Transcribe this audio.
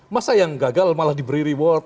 masa yang gagal malah diberi reward